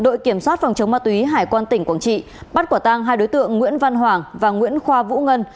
đội kiểm soát phòng chống ma túy hải quan tỉnh quảng trị bắt quả tang hai đối tượng nguyễn văn hoàng và nguyễn khoa vũ ngân